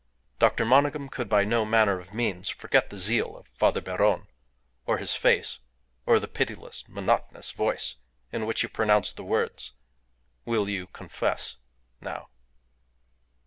Dr. Monygham could by no manner of means forget the zeal of Father Beron, or his face, or the pitiless, monotonous voice in which he pronounced the words, "Will you confess now?"